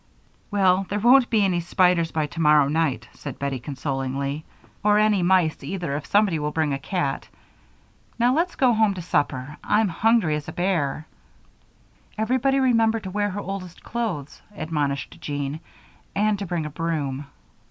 "Well, there won't be any spiders by tomorrow night," said Bettie, consolingly, "or any mice either, if somebody will bring a cat. Now let's go home to supper I'm hungry as a bear." "Everybody remember to wear her oldest clothes," admonished Jean, "and to bring a broom."